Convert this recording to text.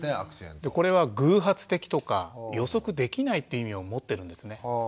これは偶発的とか予測できないっていう意味を持ってるんですね。